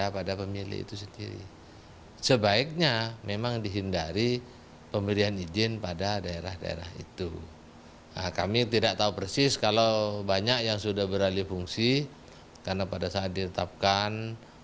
pertanian tak lagi menjanjikan